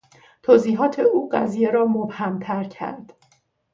توضیحات او قضیه را مبهمتر کرد.